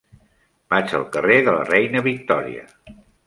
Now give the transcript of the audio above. Vaig al carrer de la Reina Victòria.